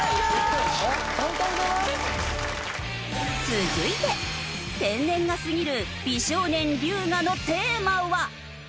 続いて天然が過ぎる美少年龍我のテーマは。